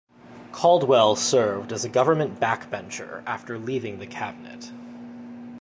Caldwell served as a government backbencher after leaving cabinet.